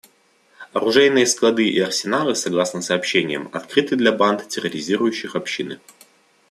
Оружейные склады и арсеналы, согласно сообщениям, открыты для банд, терроризирующих общины.